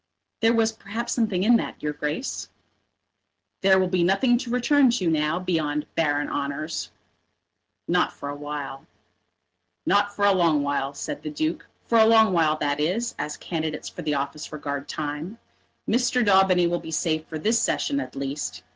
"There was perhaps something in that, your Grace." "There will be nothing to return to now beyond barren honours." "Not for a while." "Not for a long while," said the Duke; "for a long while, that is, as candidates for office regard time. Mr. Daubeny will be safe for this Session at least.